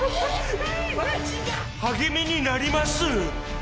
励みになります！